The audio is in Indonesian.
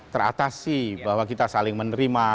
teratasi bahwa kita saling menerima